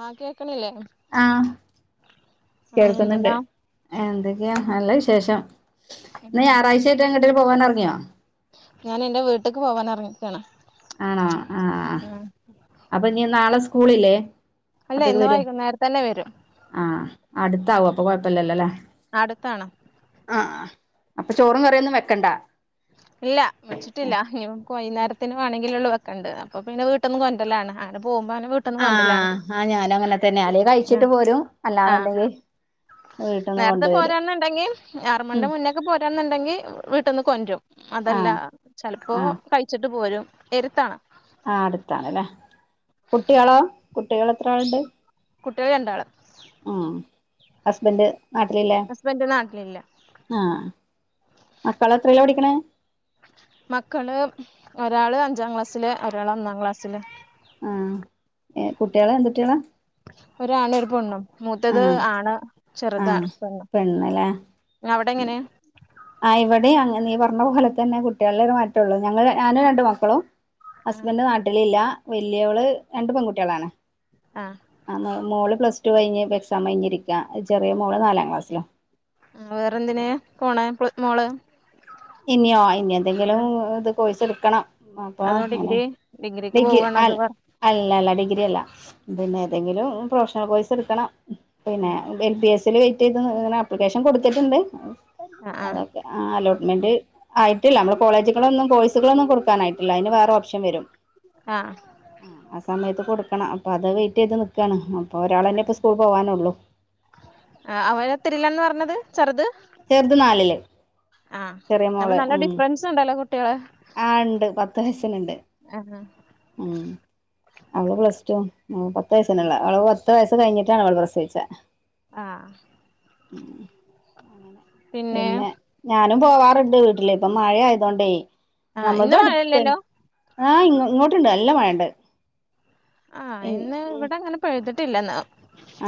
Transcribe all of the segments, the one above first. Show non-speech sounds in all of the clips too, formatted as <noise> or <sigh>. ആഹ് കേക്കണില്ലേ ആഹ് ആഹ് എന്തെല്ലാ കേൾക്കുന്നുണ്ട് എന്തൊക്കെയാ നല്ല വിശേഷം ഇന്ന് ഞായറാഴ്ച്ചേയ്ട്ട് എങ്ങട്ടേം പോവാനെറങ്ങിയോ ഞാൻ എന്റെ വീട്ടിക്ക് പോവാൻ എറ്ങ്ങിക്കാണ് ആണോ ആ ആഹ് അപ്പൊ ഇനി നാളെ സ്കൂളില്ലേ അല്ലെ അപ്പേക്ക് ഇന്ന് വരോ വൈകുന്നേരം തന്നെ വരും ആഹ് അട്ത്താവും അപ്പൊ കൊഴപ്പല്ലല്ലോല്ലേ അട്ത്താണ് ആഹ് അപ്പൊ ചോറും കറിയൊന്നും വെക്കണ്ട ഇല്ല വെച്ചിട്ടില്ല ഇനി വൈകുന്നേരത്തിന് വേണെങ്കിലൊള്ളു വെക്കണ്ടെ അപ്പം പിന്നെ വീട്ട്ന്ന് കൊണ്ടര്ലാണ് അങ്ങനെ പോകുമ്പോൾ അങ്ങനെ വീ ആഹ് ആഹ് ഞാനും അങ്ങനെ തന്നെ അല്ലേ ഉം കഴിച്ചിട്ട് പോരും ആഹ് അല്ലാന്ന്ണ്ടെങ്കി നേരത്തെ പോരാന്ന്ണ്ടെങ്കി ആറു ഉം മണീടെ മുന്നേ പോരാന്നുണ്ടെങ്കിൽ വീട്ടിന്ന് കൊണ്ടരും അതല്ല ആഹ് ചെലപ്പോ ആഹ് കഴി ച്ചിട്ട് പോരും എര്ത്താണ് ആഹ് അട്ത്താണ്ലേ കുട്ട്യാളോ കുട്ടികൾ എത്ര ആള്ണ്ട് കുട്ടികൾ രണ്ടാള് ആഹ് ഹസ്ബൻഡ് നാട്ടിലില്ലേ ഹസ്ബൻഡ് നാട്ടിലില്ല ആഹ് മക്കള് എത്രയിലാ പടിക്ക്ണേ മക്കള് ഒരാള് അഞ്ചാം ക്ലാസ്സില് ഒരാള് ഒന്നാം ക്ലാസ്സില് ആഹ് കുട്ട്യാള് എന്ത് കുട്ടികളാ ഒര് ആണും ഒരു പെണ്ണും മൂത്തത് ആഹ് ആണ് ചെറ്ത് ആഹ് പെണ്ണ് പെണ്ണ്ല്ലേ അവിടെ എങ്ങനെ ആഹ് ഇവടിം അങ്ങനെയാ നീ പറഞ്ഞ പോലെ തന്നെ കുട്ടികളിലേ മാറ്റൊള്ളൂ ഞങ്ങള് ഞാനും രണ്ട് മക്കളും ആഹ് ഹസ്ബൻഡ് നാട്ടിലില്ല വല്ല്യോള് രണ്ട് പെൺകുട്ടികളാണ് ആഹ് ആഹ് മോ മോള് പ്ലസ്ടു കഴിഞ്ഞ് ഇപ്പം എക്സാം കഴിഞ്ഞ് ഇരിക്കാ ചെറിയ മോള് നാലാം ക്ലാസ്സിലാ വേറെ എന്തിന് പോണെ മോള് ഇനിയോ ഇനി എന്തെങ്കിലും ഇത് കോഴ്സെട്ക്കണം അപ്പൊ അതോ അങ്ങനെ ഡിഗ്രി ഡിഗ്രിക്ക് ഡിഗ്രി പോവാണോ അല്ല അതോ വർ അല്ലല്ല ഡിഗ്രി അല്ല പിന്നെ ആഹ് ഏതെങ്കിലും പ്രൊഫഷണൽ കോഴ്സ് എട്ക്കണം പിന്നെ എൽ ബി എസ് ഇൽ വെയിറ്റ് ചെയ്ത് ഇങ്ങനെ ആപ്ലിക്കേഷൻ കൊട്ത്തിട്ട്ണ്ട് ആഹ് അതൊക്കെ ആഹ് അലോട്ട് മെന്റ് ആയിട്ടില്ല നമ്മള് കോളേജ്കളൊന്നും കോഴ്സുകളൊന്നും കൊടുക്കാനായിട്ടില്ല അതിന് വേറെ ഓപ്ഷൻ വരും ആഹ് ആഹ് ആ സമയത്ത് കൊടുക്കണം അപ്പൊ അത് വെയിറ്റ് ചെയ്ത് നിക്കാണ് അപ്പൊ ഒരാളെന്നെപ്പോ സ്ക്കൂൾ പോവാനൊള്ളു ആഹ് അവന് എത്രിലാന്നാ പറഞ്ഞത് ചെറ്ത് ചെറുത് നാലില് ആഹ് ചെറിയ അപ്പൊ നല്ല ഡിഫ്രൻസ് ഉണ്ടല്ലോ കുട്ടികള് ആഹ് ഉണ്ട് പത്ത് വയസ്സിന് ഉണ്ട് ഉം അവള് പ്ലസ് ടു ഉം പത്ത് വയ്സിന്ള്ളെ അവള് പത്ത് വയസ്സ് കഴിഞ്ഞിട്ടാണ് അവള് പ്രസവിച്ചേ ആഹ് ഉം പിന്നെ ഞാനും പോവാറ്ണ്ട് വീട്ടില്. ഇപ്പ മഴ ആയതോണ്ടേ. ആഹ് നമ്മത് ഇന്ന് അടുത്ത് മഴയില്ലല്ലോ ആഹ് ഇ ഇങ്ങോട്ടുണ്ട് നല്ല മഴണ്ട് ആഹ് ഇന്ന് ഇവിടെ അങ്ങനെ പെയ്തിട്ടില്ലന്ന്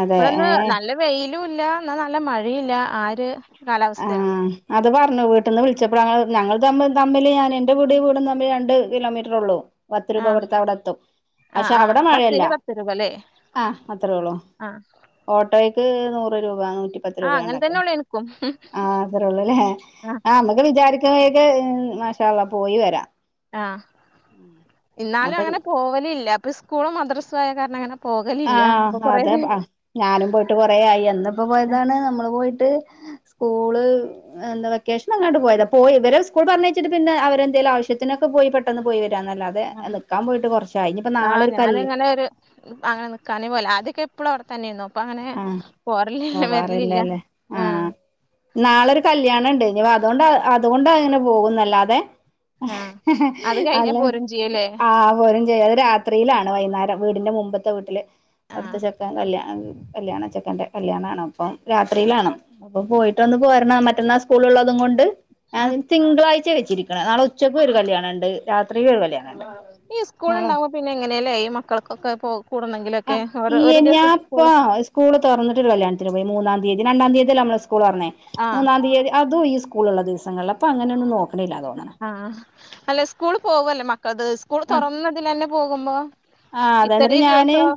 അതെ ഇവിടൊന്ന് ഏഹ് നല്ല വെയിലും ഇല്ല എന്നാ നല്ല മഴയില്ല ആഒര് കാലാവസ്ഥയാണ് ആഹ് അത് പറഞ്ഞു വീട്ടീന്ന് വിളിച്ചപ്പോ ഞങ്ങള് തമ്മില് തമ്മിൽ ഞാന് എന്റെ വീട് വീടും തമ്മിൽ രണ്ട് കിലോമീറ്റർ ഉള്ളൂ പത്ത് രൂപ ആഹ് കൊടുത്താ അവിടെ എത്തും ആഹ് പക്ഷെ ആഹ് അവിടെ മഴയല്ല ബസ്സിന് പത്ത് രൂപല്ലേ ആഹ് അത്രേയൊള്ളു ആഹ് ഓട്ടോയ്ക്ക് നൂറ് രൂപ നൂറ്റി ആഹ് അങ്ങനെ തന്നെയുള്ള് എന് ആ അത്രേള്ളൂല്ലേ ആഹ് ആ നമുക്ക് വിചാരിക്കുമ്പോഴേക്ക് മഷാള്ള പോയി വരാം ആഹ് ഇന്നാലും അപ്പൊ അങ്ങനെ പോവല് ഇല്ല അപ്പൊ സ്കൂളും മദ്രസയെ കാരണം അങ്ങനെ പോകലില്ല അപ്പൊ ആഹ് കൊറേ അതെ ദി തെ ആ ഞാനും പോയിട്ട് കൊറയായി എന്നിപ്പോ പോയതാണ് നമ്മള് പോയിട്ട് സ്കൂള് എന്ത് വെക്കേഷൻ അങ്ങാണ്ട് പോയതാ പോയ്‌ ഇവര് സ്കൂൾ പറഞ്ഞയച്ചിട്ട് പിന്നെ അവരെന്തേലും ആവശ്യത്തിനൊക്ക പോയി പെട്ടന്ന് പോയി വരാൻ എന്നല്ലാതെ തെ നിൽക്കാൻ പോയിട്ട് കുറച്ചായി ഇനിപ്പ നാളെ ഒരു കല്ല് ന്നേര് അങ്ങനെ നിക്കാനേ പോലാ അദ്യൊക്കെ ഇപ്പളും അവിടെ തന്നെയിന്നു ഇപ്പൊ അങ്ങനെ ആഹ് പോവാറിലല്ല വരലില്ല പോവാറില്ലല്ലേ ആ ആഹ് നാളൊരു കല്യാണം ഇണ്ട് ഇനി അതുകൊണ്ടാ അതുകൊണ്ടാ ഇങ്ങനെ പോകുന്ന അല്ലാതെ ഹ് ആഹ് ഹ് അത് കഴിഞ്ഞാ അല്ല പോരും ചെയ്യൂല്ലേ ആ പോരും ചെയ്യാ അ രാ ത്രിയിലാണ് വൈകുന്നേരം വീടിന്റെ മുമ്പത്തെ വീട്ടില് അവിടുത്ത ആഹ് ചെക്കൻ കല്യാണം കല്യാണ ചെക്കന്റെ കല്യാണാണ്‌ അപ്പം രാത്രിയിലാണ് അപ്പൊ പോയിട്ടൊന്ന് പോരണം മറ്റന്നാ സ്കൂളുള്ളതുകൊണ്ട് അത് ആഹ് തിങ്കളാഴ്ച വെച്ചിരിക്കണ നാളെ ഉച്ചക്ക് ഒരു കല്യാണം ഇണ്ട് രാത്രിയും ഒരു കല്ല്യാണ ഈ സ്കൂളണ്ടാവുമ്പോ പിന്നെ എങ്ങനെയല്ലേ ഈ മക്കൾക്കൊക്കെ പോ കൂടണെ ആ ഈ ഇനിയാപ്പ സ്കൂള് തുറന്നിട്ട് ഒരു കല്യാണത്തിന് പോയി. മൂന്നാം തീയതി. രണ്ടാം തീയതിയല്ലെ നമ്മളെ സ്കൂള് തൊറന്നേ? ആഹ് മൂന്നാം തീയതി അതും ഈ സ് സ്കൂളുള്ള ദിവങ്ങളിൽ അപ്പോ അങ്ങനൊന്ന് നോക്ക് ആഹ് അല്ലെ സ്കൂൾ പോവല്ലേ മക്കളത് സ്കൂൾ ആഹ് തുറന്നതിൽന്നെ പോകുമ്പോ ആഹ് അതെ ന്നിട്ട് ഇത്രേ ഞാന് ദിവസം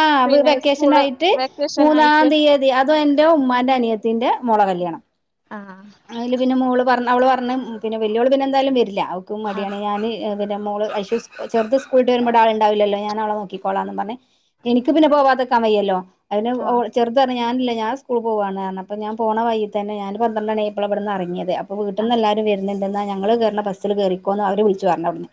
ആഹ് വി പിന്നെ വെക്കേഷൻ സ്കൂള് ആയിട്ട് വെക്കേഷൻ ആയിട്ട് മൂന്നാം തീയതി അ ത് എന്റെ ഉമ്മാന്റെ അനിയത്തിന്റെ മോളെ കല്യാണം ആഹ് അതിൽ പിന്നെ മോള് പറ അവള് പറഞ്ഞ് പിന്നെ വല്യോള് പിന്നെ എന്തായാലും വരില്ല്യാ അവക്കും ആഹ് മടിയാണ് ഞാന് പിന്നെ മോള് ഐഷു സ് കൂൾചെറുത് സ്കൂള്ട്ട് വരുമ്പോ ഇവിടാളുണ്ടാവില്ലല്ലോ ഞാന് അവളെ നോക്കിക്കോളാന്നും പറഞ്ഞ് എനിക്ക് പിന്നെ പോവാതിക്കാൻ വയ്യല്ലോ അയ്ന് ആഹ് ഓൾ ചെറുത് പറഞ്ഞ് ഞാനില്ല ഞാൻ സ്കൂള് പോവാന്ന് പറഞ്ഞു അപ്പോ ഞാൻ പോണ വഴി തന്നെ ഞാന് ഒരു പന്ത്രണ്ട് മണി ആയി അപ്പോള ഇവിടുന്ന് അറങ്ങിയത് അപ്പ വീട്ടിന്ന് ആഹ് എല്ലാരും വരുന്നുണ്ടെന്നാ ഞങ്ങള് കേറണ ബസില് കേറിക്കോന്ന് അവര് വിളിച്ചു പറഞ്ഞു അവിടുന്ന്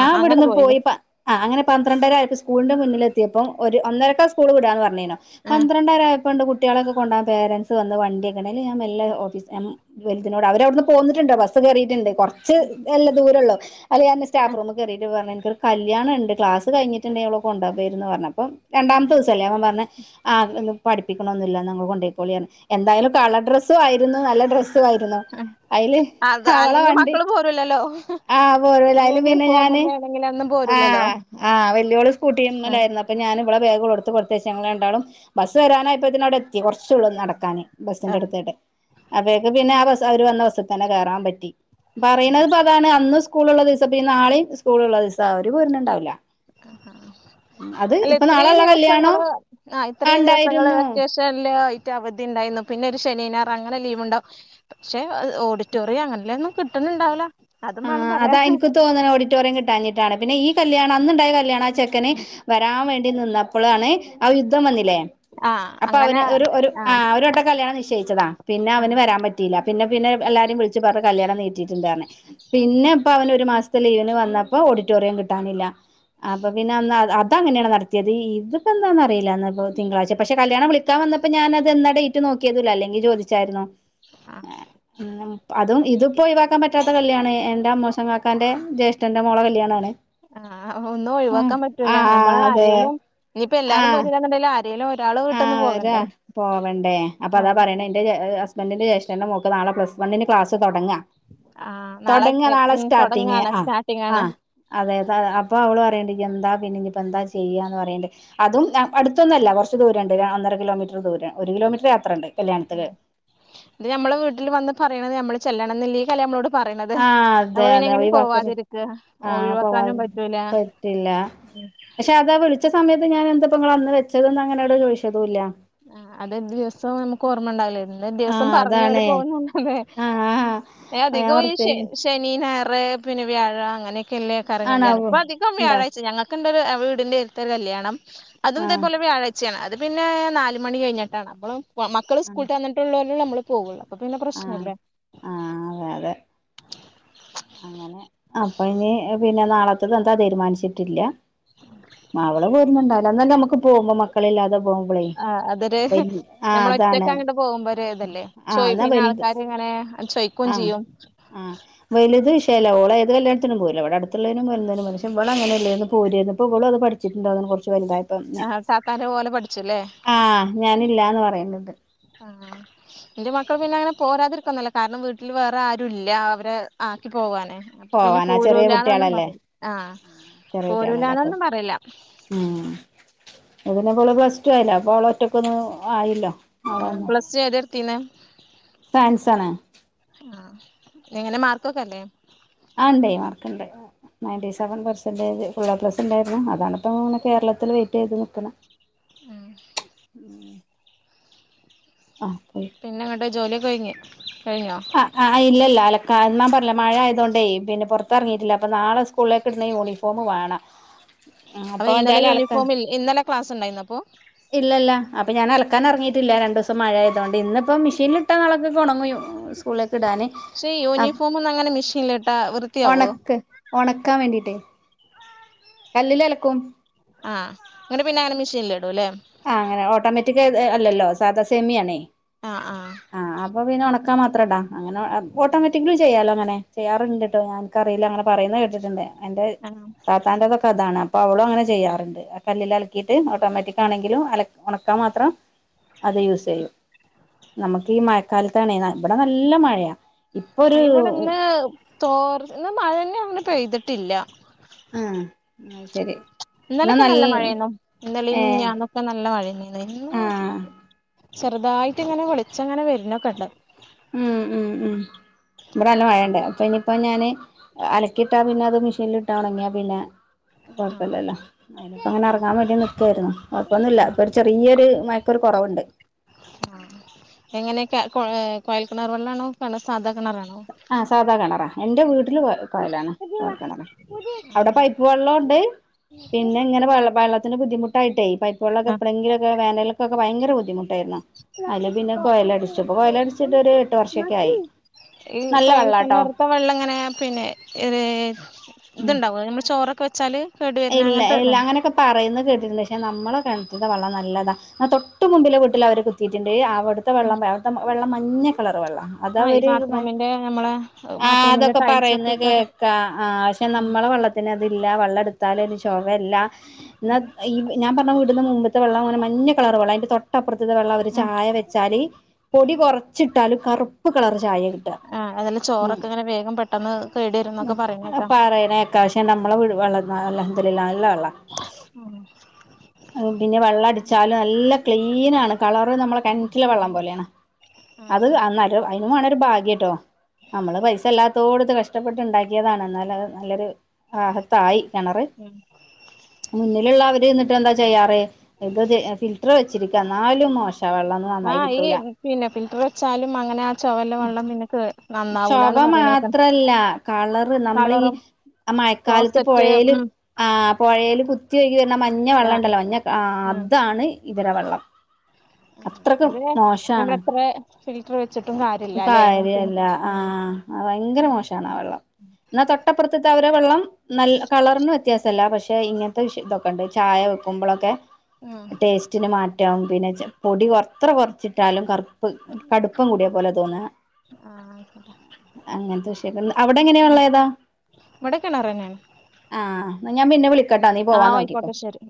ഞാ അങ്ങനെ ഇവിടുന്ന് പോയില്ലേ പോയി പ ആ അങ്ങനെ പന്ത്രണ്ടരായപ്പോ സ്കൂളിന്റെ മുന്നിലെത്തിയപ്പം ഒരു ഒന്നരക്ക സ്കൂള് വിടാന്ന് പറഞ്ഞേനോ ആഹ് പന്ത്രണ്ടര ആയപ്പോ ഇണ്ട് കുട്ടികളെൊക്കെ കൊണ്ടാൻ പേരന്റ്‌സ് വന്ന് വണ്ടികൊണ്ട് പിന്നെ ഞാൻ മെല്ലെ ഓഫീസ്ചെന്നു വലുതിനോട് അവരവിടുന്ന് പോന്നിട്ടുണ്ട് ബസ്സ് കേയറിയിട്ടുണ്ട് കുറച്ച് എല്ല ദൂരം ഉള്ളു അല്ല ഞാന് ആഹ് സ്റ്റാഫ്റൂമ് കേറിട്ട് പറഞ്ഞ്. ഇൻക്ക് ഒര് കല്യാണണ്ട് ക്ലാസ് കഴിഞ്ഞിട്ട്ണ്ടേൽ ഓളെ കൊണ്ടൊകേയിരുന്നു പറഞ്ഞപ്പോ രണ്ടാമത്തോസല്ലേ അപ്പം പറഞ് ആഹ് ഇന്ന് പഠിപ്പിക്കണൊന്നില്ലന്ന് അങ്ങ് കൊണ്ടോയിക്കോളി എന്തായാലും കളർ ഡ്രസ്സും ആയിരുന്നു നല്ല ഡ്രസ്സു ആയിരുന്നു അയില് ആ അത് അവളെ അല്ലെങ്കിൽ വണ്ടി മക്കള് പോലരൂല്ലല്ലോ ആഹ് പോരുവല്ലോ അതില് പിന്നെ ഞാന് യൂനിഫോമുംമേ എങ്ങനെയൊന്നും പോരൂല്ലല്ലോ ആഹ് ആഹ് വല്ല്യോള് സ്കൂട്ടിന്മേലായിരുന്നു അപ്പൊ ഞാനും മ്മളുടെ ബാഗ് വേഗം എടുത്ത് കൊടുത്തേച്ച് ഞങ്ങരണ്ടാളും ബസ് വരാനായിപ്പത്തേന് അവിടെ എത്തി കുറച്ചുള്ളൂ നടക്കാന് ബസ്സിന്റെ ആഹ് അടുത്താട്ട് അപ്പേക്ക് പിന്നെ ആ ബസ് അവര് വന്ന ബസ്സിൽ തന്നെ കയറാൻ പറ്റി പറയണതിണ് അതാണ് അന്നും സ്കൂളൊള്ള ദിവസം പ്പ നാളെയും സ്കൂള ഉള്ള ദിവസം അവര് പോരണ ഇണ്ടാവില്ല ആ.. അല്ല ഇത്രീം കല്യാണം ദിവസങ്ങള് ആ ആഹ് ഇത്രീം ദിവസങ്ങള് ഇണ്ടായിരുന്നു വെക്കേഷ യിട്ട് അവധി ഉണ്ടായിരുന്നു പിന്നെ ഒരു ശനി ഞായർ അങ്ങനെ ലീവ് ണ്ടാവും പക്ഷെ അഹ് ഓഡിറ്റോറിയം അങ്ങനെല്ലെന്നും കിട്ടുന്നുണ്ടാവുല അതും വേണം പറയാ തോന്ന്‌ണ ഓഡിറ്റോറിയം കിട്ടാഞ്ഞിട്ടാണ്. പിന്നെ ഈ കല്യാണം അന്ന്ണ്ടായ കല്യാണം ആ ചെക്കന് വരാൻ വേണ്ടി നിന്ന അ- പ്പളാണ്. ആ യുദ്ധം വന്നിലേ? ആഹ് അപ്പം അവന് അങ്ങനെ ഒരു ഒരു ആ ആഹ് ഒര്‌ വട്ടം കല്യാണം നിശ്ചയിച്ചതാ. പിന്നെ അവന് ആഹ് വരാൻ പറ്റില്ല പിന്നെ പിന്നെ എ എല്ലാരിം വിളിച്ച് പർ ഞ്ഞ് അപോ കല്യാണം നീട്ടിട്ട്ണ്ട്ർഞ് പിന്നെപ്പൊ അവന് ഒരു മാസത്തെ ലീവിന് വന്നപ്പം ഓഡിറ്റോറിയം കിട്ടാനില്ല. അപ്പ പിന്നെ അന്ന് അത അത് അങ്ങനെണ്ട് നടത് ച്ചത്. ഈ... ത്പ്പൊ എന്നാന്നറിയില്ല. ഇന്ന് പ്പോ തിങ്കളാഴ്ച്ചെ. പക്ഷെ കല്യാണം വിളിക്കാൻ വന്നപ്പം ഞാൻ അതെന്ന ഡേറ്റ് നോക്കിയതുല്ല. അല്ലെങ്കിൽ ചോദിച്ച ച്ചായിരുന്നു. ആ ഏ ഉം.. അതും ഇതിപ്പോ ഒഴിവാക്കാൻ പറ്റാത്ത കല്യാണെ എന്റെ അമ്മോശൻ കാക്കാന്റെ ജ്യേഷ്ഠന്റെ മോളെ കല്യാണാണ്. ആ അ ഒ ഒന്നും ഉം ഒഴിവാക്കാൻ പറ്റൂല്ല. ആഹ് ഞമ്മളെ അതെ ആരേലും നിപ്പോ എല്ലാരും പോര്ന്നില്ലന്ന്ണ്ടേല് ആര്- <unintelligible> ഒരാള് ആ. വീട്ടിന്ന് വരാ. പോകണ്ടേ പോവണ്ടേ? അപ്പൊ അതാ ആഹ് പറിണെ ഇ ന്റെ എ ഹസ്ബന്റിന്റെ ജേഷ്ട്ടന്റെ മോക് നാളെ പ്ലസ് വണിന് ക്ലാസ്സ് തൊടങ്ങാ ആഹ് തൊടങ്ങ എ, നാളെ ഉം സ്റ്റാർട്ടിങ്. തൊടങ്ങാണ് ആ. സ്റ്റാർട്ടിംഗ് ആ. ആണ് അതെ താ അപ്പൊ ഓള് പറയണ്ട് എന്താ പിന്നെന്നിപ്പോ എന്താ ചെയ്യാന്ന് പറയണ്ട് അതും എ അടുത്തൊന്നു അല്ല. കൊറച്ച് ദൂരംണ്ട്. ര ഒന്നര കിലോമീറ്ററ് ദൂരം ഒരു കിലോമീറ്ററ് യാത്രണ്ട് കല്യാണത്തില്. ത് ഞമ്മളെ വീട്ടില് വന്ന് പറയണത് നമ്മള് ചെല്ലണംന്നില്ലേ? ഈ കല്യാ നമ്മളോട് പറയണത്. ആഹ് അതെ അപ്പൊ പിന്നെ അതെ എങ്ങനെ ഒഴിവാക്കാൻ പ പോവാതിരിക്ക. ഒഴിവാക്കാനും പറ്റൂല. ഇല്ല ഉം പക്ഷേ അത് ആ വിൾച്ച സമയത്ത് ഞാ എന്താപ്പോ ങ്ങള് അന്ന് വെച്ചതന്ന് അങ്ങനെള്ളെ ചോയ് ച്ചതുല്ല ആ അത് ന്ത് ദിവസം ഞമ്മക്ക് ഓർമ്മ ണ്ടാവില്ലായിര്‌ ലെ ദിവസം ആഹ് പർഞ്ഞൊ ഓല് അതാണ് പോകുന്നു <unintelligible> ല്ലേ? ആഹ് ആഹ് ഏ ഞാൻ അധികു ഈ ഓർത്തില്ല ശനി ശ- ശനി, ഞായറ്, പിന്നെ വ്യാഴ അങ്ങനെക്കല്ലെക്കാരം കല്യാണം. ആണാവോ ഇപ്പൊ അധികം ഇണ്ടാ വ്യാഴാഴ്ച ഞങ്ങക് കണ്ടൊരു എ വീട്ന്റെട്തൊരു കല്യാണം. അതും ആഹ് ഇതേപോലെ വ്യാഴാച്ചേണ്. അത് പിന്നെ നാൽ മണി കഴിഞ്ഞിട്ടാണ് അപ്പോ മക്കള് ആഹ് സ്കൂൾട്ട് വന്നിട്ടുള്ളല്ലോ നമ്മള് പോകുള്ളൂ അപ്പൊ പിന്നെ പ്രശ്നല്ല ആ, അതെ അതെ. അങ്ങനെ അപ്പൊ നി പിന്നെ നാളത്തത് എന്താ തീരുമാനിച്ചിട്ടില്ല മാവള് പോരുന്നുണ്ട ല്ല അന്നന്നമ്മക്ക് പോകുമ്പം മക്കളില്ലാതെ പോ- ആ അതരെ ഹെ. നമ്മള് ഒറ്റക്ക് അതാണ് അങ്ങട്ട് പോകുമ്പൊരു തല്ലേ? ആഹ് ചോയ് എന്നാ പിന്നെ വലുത് ആൾക്കാര് ഇങ്ങനെ ചോയ്ക്കും ആഹ് ചെയ്യും. ആഹ് വലുത് വിഷയല്ല. ഓള് ഏത് കല്യാൺത്തിനും പോര്ല. ഇ വിടെടുത്തുള്ളയ്നും <unintelligible> പക്ഷെ ഇവള് അങ്ങനെല്ലയ്ര്ന്നു. പോരെയിരുന്നു ഇപ്പോ ഇവളും അത് പഠി. ച്ചിണ്ടാ <unintelligible> കൊർച് വലുതായി ആ കാക്കാന്റെ പോലെ പഠിച്ചുല്ലേ? ആ. ഞാനില്ലാന്ന് പറയുന്നുണ്ട്. ആ. ന്റെ മക്കള് പിന്നെ അങ്ങനെ പോരാതിരിക്കൊന്നുല്ല. കാരണം വീട്ടില് വേറെ ആരുല്ല അവരെ ആക്കി പോവാന്. അപ്പൊപിന്നെ പോവാനാ ചെറിയ പോരുലാന്നൊന്നും കുട്ടികളല്ലേ പറി ആഹ് ചെറിയ കുട്ടികളല്ലേ അപ്പൊ പോരൂലാന്നൊന്നും പറീല്ല ഉം. ഇതിന്നെപ്പോള് പ്ലസ്ടു ആയിലെ. അപ്പ ഓള് ഒറ്റക്ക്‌ ഒന്നും ആയല്ലൊ ആഹ് പ്ലസ് ടു ഏതാ എടുത്തിനെ ഫാൻസ് ആണ് ആഹ് എങ്ങനെ മാർക്കൊക്കെ ഇല്ലേ ആ... ണ്ടെ. മാർക്ക്‌ണ്ട്. Ninety seven percentage full A plus ണ്ടായിരുന്നു. അതാണ്പ്പം ങ്ങനെ കേരളത്തില് വെയിറ്റെയ്ത് നിക്കണ <unintelligible> ആഹ് പിന്നെ അങ്ങട്ട് ജോലിയൊക്ക കഴിഞ്ഞ് കഴിഞ്ഞോ ആഹ് ആഹ് ഇല്ല ല്ല അലക്കാ എന്ന ഞാൻ പറഞ്ഞില്ലേ മഴായതൊണ്ടേ പിന്നെ പൊറത്തിറങ്ങിയിട്ടില്ല അപ്പൊ നാളെ സ് സ്കൂളിലേക്ക് ഇടണേൽ യൂണിഫോമു വേണം അപ്പൊ ഇന്നലെ യൂണിഫോമി ഇന്നലെ ക്ലാസ് ഉണ്ടായിന്നോ അപ്പോ ഇല്ല ല്ല അപ്പൊ ഞാൻ അലക്കാനെറങ്ങിട്ടില്ല രണ്ട് ദിവസം മഴായതോണ്ട് ഇന്ന് ഇപ്പം മിഷീനിലിട്ടാ നാളെക്കക്ക് ഉണങ്ങൊയും സ്കൂളിലേക്ക് ഇടാന് പക്ഷേ യൂണിഫോമൊന്നും അങ്ങനെ മെഷീനിലിട്ടാ വൃത്തിയാവോ ഒണക്ക് ഒണക്കാൻ വേണ്ടിട്ടേ കല്ലിൽ അലക്കും ആഹ് ന്നട്ട് പിന്നെ അങ്ങനെ മെഷീനിൽ ഇടുല്ലേ ആഹ് അങ്ങനെ ഓട്ടോമാറ്റിക് തു അല്ലല്ലോ സാധാ സേമിയാണേ ആഹ് ആഹ് അപ്പൊ പിന്നെ ഉണ <unintelligible> മാത്രോ അങ്ങനെ ഓട്ടോമാറ്റിക്കലി ചെയ്യാലോ അങ്ങനെ ചെയ്യാറുണ്ട് കേട്ടോ ഞനിക്കറിയില്ല അങ്ങനെ പറയുന്നത് കേട്ടിട്ടുണ്ട് എന്റെ ആഹ് താത്താന്റെതൊക്കെ അതാണ് അപ്പൊ അവളും അങ്ങനെ ചെയ്യാറുണ്ട് ആ കല്ലിൽ അലക്കിയിട്ട് ഓട്ടോമാറ്റിക് ട്ടാണെങ്കിലും അല ഉണക്കാൻ മാത്രം അത് യൂസ് ചെയ്യും നമുക്ക് ഈ മ കാലത്താണെ ഇവിടെ നല്ല മഴയാ ഇപ്പൊ ഒരു ആഹ് ഇവിടെ ഇന്ന് തോർ എന്ന മഴ തന്നെ <unintelligible> പെയ്തിട്ടില്ല ആഹ് ആഹ് ശരി ഇന്നലൊക്കെ നല്ല മഴയാരുന്നു ഇന്നലെയും ഏഹ് മിനഞ്ഞാന്നും ക്കെ നല്ല മഴയാരുന്ന് ഇന്ന് ആഹ് ചെറുതായിട്ട് ഇങ്ങനെ വെളിച്ചങ്ങനെ വരുന്നൊക്കെ ഉണ്ട് ഉം ഉം ഉം ഇവിടെ നല്ല മഴയുണ്ട് അപ്പൊ ഇനിയിപ്പോ ഞാന് അലക്കിയിട്ടാ പിന്നെ അത് മെഷീനിലിട്ട് ഉണങ്ങിയാ പിന്നെ കൊഴപ്പവില്ലല്ലോ അതിനിപ്പം അങ്ങനെ ഇറങ്ങാൻ വേണ്ടി നിൽക്കുവായിരുന്നു കുഴപ്പൊന്നു ഇല്ല ഇപ്പോൾ ഒരു ചെറിയൊരു മഴക്കൊരു കുറവുണ്ട് ആഹ് എങ്ങനെയക്കെ കോയൽ കിണർ വെള്ളാണോ കണ സാധാ കിണറാണോ ആഹ് സാദാ കിണറാ എന്റെ വീട്ടില് കൊയലാണ് കൊഴൽ കിണറ് അവിടെ പൈപ്പ് വെള്ളം ഉണ്ട് പിന്നെ ഇങ്ങനെ വെള്ളത്തിന് ബുദ്ധിമുട്ടായിട്ടേ പൈപ്പ വെള്ളവൊക്കെ എപ്പളെങ്കിലുവൊക്കെ വേനലക്കൊക്കെ ഭയര ബുദ്ധിമുട്ടായിരുന്നു അയില് പിന്നെ കൊയല അടിച്ചു ഇപ്പ കൊയലടിച്ചിട്ടൊരു എട്ട് വർഷക്കെ ആയി ഈ നല്ല കൊഴൽ വെള്ളാട്ടോ കിണറത്തെ വെള്ളം എങ്ങനെയാ പിന്നെ ഏഹ് ഉം ഇതുണ്ടാവുവോ നമ്മള് ചോറൊക്കെ വെച്ചാല് കേടു വരുന്ന ഇല്ല അങ്ങനത്തെ ഇല്ല ഇതാണ് അങ്ങനെയൊക്കെ പറയുന്നത് കേട്ടിട്ടില്ല പക്ഷെ നമ്മളെ കിണറ്റിലെ വെള്ളം നല്ലതാ ആ തൊട്ട് മുമ്പിലെ വീട്ടിലെ അവരൊക്കെ ഇതിന്റെ അവിടുത്തെ വെള്ളം അവിടുത്തെ വെള്ളം മഞ്ഞ കളറ് വെള്ളം അത് ആ ഈ അവര് ബാത്റൂമിന്റെ നമ്മളെ ആഹ് ബാത്റൂമിന്റെ അതൊക്കെ ടൈൽസ് പറയുന്ന ഒക്കെ കേട് കേൾക്കാ ആഹ് പക്ഷെ നമ്മളെ വെള്ളത്തി അതില്ല വെള്ളം എടുത്താൽ അത് <unintelligible> എന്ന ഈ ഞാൻ പറഞ്ഞ വീടിന്ന് മുമ്പത്തെ വെള്ളം അങ്ങന മഞ്ഞ കളർ വെള്ളം അതിന്റെ തൊട്ടപ്പുറത്തെ വെള്ളം അവര് ആ ചായ വ വച്ചാല് പൊടി കുറച്ചിട്ടാലും കറുപ്പ് കളർ ചായ <unintelligible> <unintelligible> ആഹ് അതല്ല ചോറൊക്കെ ഇങ്ങനെ വേഗം പെട്ടെന്ന് കേട് വരുന്നൊക്കെ പറയണേക്കാം നല്ല വെള്ള പിന്നെ വെള്ളം അടിച്ചാലും നല്ല ക്ലീൻ ആണ് കളറ് നമ്മളെ കിണറ്റിലെ വെള്ളം പോലെയാണ് ആഹ് അത് ആഹ് അന്നൊരു അതിനും വേണം ഒരു ഭാഗ്യട്ടോ നമ്മള് പൈസ ഇല്ലാ ത്തോടുത്ത് കഷ്ടപ്പെട്ട് ഉണ്ടാക്കിയതാണ് എന്നാൽ അത് നല്ലൊരു ഭാഗത്തായി കിണറ് ഉം മുന്നിലുള്ളവര് ചെന്നിട്ട് എന്താ ചെയ്യാറ് <unintelligible> എത്ര വെച്ചിരിക്കാ എന്നാലും മോശവാ വെള്ളം നന്നായി ആഹ് ഈ കിട്ടൂല പിന്നെ ഫിൽറ്റർ വെച്ചാലും അങ്ങനെ ആ ചൊവല്ല വെള്ളം പിന്നെ കേ നന്നാവൂലാന്ന് ചവ പറയണേക്കാം മാത്രല്ല കളറ് നമ്മള് ഈ കളറും ആഹ് മഴക്കാലത്ത് ക്ലോസറ്റ് പുഴയില് ഉം ആ പുയേൽ കുത്തിയൊഴുകി വരുന്ന മഞ്ഞ വെള്ളം ആഹ് ഉണ്ടല്ലോ മഞ്ഞ ഉം അതാണ് ഇവിടെ വെള്ളം അത്രക്ക് അത് മോശാണ് നമ്മളെത്ര ഫിൽറ്റർ വെച്ചിട്ടും കാര്യല്ല അല്ലെ അങ്ങനത്തെന് കാര്യല്ല ഉം ആഹ് ആഹ് ഭയങ്കര മോശമാണ് ആ വെള്ളം എന്നാ തൊട്ടപ്പുറത്തെ അവരെ വെള്ളം നല്ല കളറിന് വ്യത്യാസല്ല പക്ഷെ ഇങ്ങൻത്തെ ഇഷു ഇതൊക്കെണ്ട് ചായ വെക്കുമ്പോളൊക്കെ ഉം ടേസ്റ്റന് മാ റ്റം പിന്നെ ചെ പൊടിയെത്ര കൊർച്ചിട്ടാലും കർ പ്കട്പ്പം കൂടിയ പോലെ തോന്നാ ആഹ് അയിക്കോട്ടെ അങ്ങൻതെ വിഷയങ്ങൾ. അവ്ടെ എങ്ങനെ. വള്ളേ ഏതാ വടെക്കിണറന്നേണ് ആഹ് ന്ന ഞാപിന്നെ വിളിക്കട്ടാ നീ പോവാൻ ആഹ് നോക്കിക്കോ ആയിക്കോട്ടെ ശരി